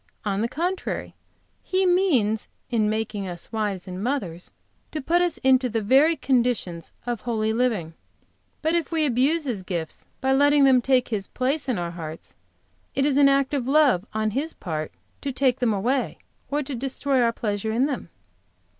On the contrary, He means, in making us wives and mothers, to put us into the very conditions of holy living. But if we abuse His gifts by letting them take His place in our hearts, it is an act of love on His part to take them away, or to destroy our pleasure in them.